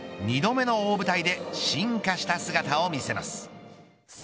２度目の大舞台で進化した姿を見せます。